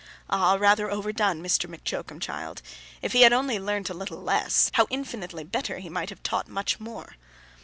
Ah, rather overdone, M'Choakumchild. If he had only learnt a little less, how infinitely better he might have taught much more!